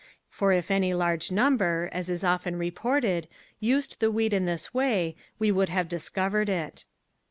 For if any large number, as is often reported, used the weed in this way we would have discovered it.